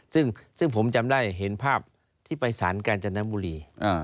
ซึ่งผมจำได้เห็นภาพที่ไปสารกาญจนบุรี